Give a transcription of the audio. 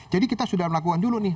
jadi kita sudah melakukan dulu nih